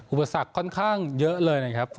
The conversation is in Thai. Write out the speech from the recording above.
อุปสรรคค่อนข้างเยอะเลยนะครับ